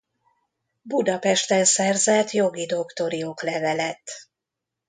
Budapesten szerzett jogi doktori oklevelet.